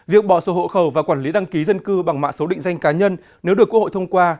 việc bỏ số hộ khẩu và quản lý đăng ký dân cư bằng mạng số định danh cá nhân nếu được quốc hội thông qua